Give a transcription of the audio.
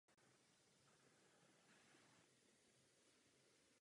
Je komerčním a průmyslovým centrem celé provincie.